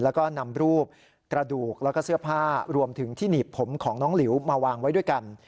แล้วก็นำรูปกระดูกแล้วก็เสื้อผ้ารวมถึงที่หนีบผมของน้องหลิวมาวางไว้ด้วยกัน